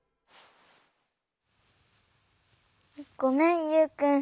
ごめんユウくん。